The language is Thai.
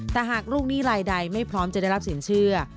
แต่หากลูกหนี้ลายใดไม่พร้อมจะได้รับสินเชื่อ